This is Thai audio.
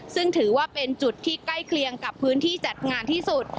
ซึ่งถือว่าเป็นจุดที่ใกล้เคียงกับพื้นที่จัดงานที่สุด